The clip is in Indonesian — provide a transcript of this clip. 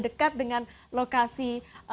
dekat dengan lokasi